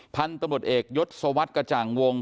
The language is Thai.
พันธุ์ตำรวจเอกยศวรรษกระจ่างวง